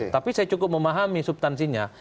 tapi saya cukup memahami subtansinya